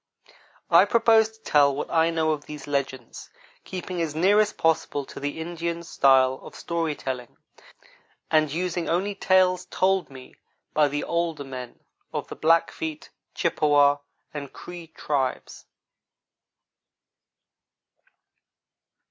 I propose to tell what I know of these legends, keeping as near as possible to the Indian's style of story telling, and using only tales told me by the older men of the Blackfeet, Chippewa, and Cree tribes.